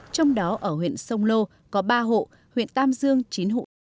trong đó ở huyện sông lô có ba hộ huyện tam dương chín hộ